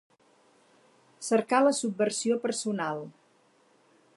Cercar la subversió personal.